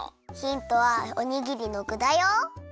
ヒントはおにぎりのぐだよ！